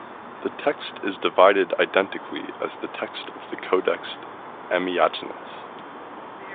The text is divided identically as the text of the Codex Amiatinus.